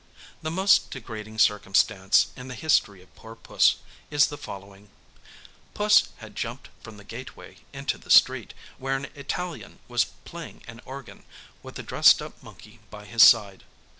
The most degrading circumstance in the history of poor Puss, is the following. Puss had jumped from the gateway into the street, where an Italian was playing an organ, with a dressed up monkey by his side.